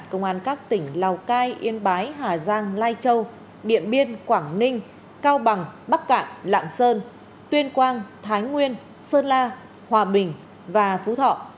công an các tỉnh lào cai yên bái hà giang lai châu điện biên quảng ninh cao bằng bắc cạn lạng sơn tuyên quang thái nguyên sơn la hòa bình và phú thọ